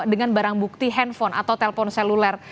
dengan barang bukti handphone atau telpon seluler